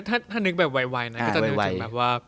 ถ้านึกแบบไวนะก็จะนึกถึงแบบว่า